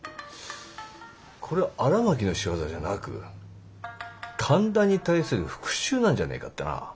これは荒巻の仕業じゃなく神田に対する復讐なんじゃねえかってな。